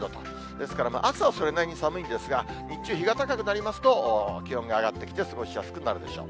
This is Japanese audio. ですから、朝はそれなりに寒いですが、日中、日が高くなりますと、気温が上がってきて、過ごしやすくなるでしょう。